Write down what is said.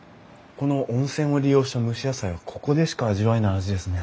この温泉を利用した蒸し野菜はここでしか味わえない味ですね。